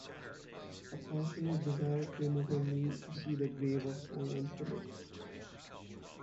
A passionate desire came over me to see the grave of Siôn Phylip.